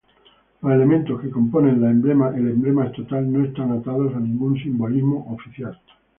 Los elementos que componen el emblema estatal no están atados a ningún simbolismo "oficial".